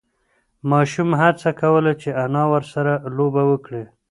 ماشوم هڅه کوله چې انا ورسه لوبه وکړي.